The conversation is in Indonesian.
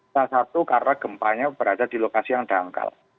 salah satu karena gempanya berada di lokasi yang dangkal